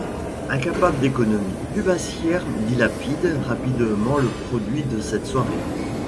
Incapable d'économie, Labussière dilapide rapidement le produit de cette soirée.